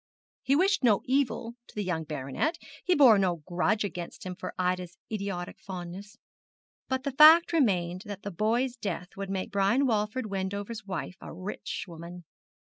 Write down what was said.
He wished no evil to the young baronet, he bore no grudge against him for Ida's idiotic fondness; but the fact remained that the boy's death would make Brian Walford Wendover's wife a rich woman.